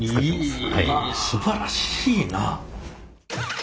すばらしいな。